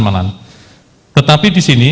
malam tetapi di sini